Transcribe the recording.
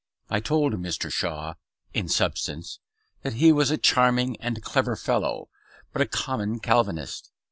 I told Mr. Shaw (in substance) that he was a charming and clever fellow, but a common Calvinist.